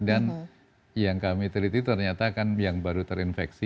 dan yang kami teliti ternyata kan masih banyak sekali pengguna narkotik